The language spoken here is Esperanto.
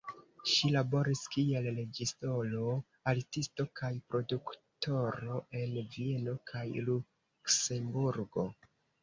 Ŝi laboris kiel reĝisoro, artisto kaj produktoro en Vieno kaj Luksemburgo.